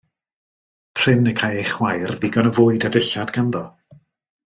Prin y cai ei chwaer ddigon o fwyd a dillad ganddo.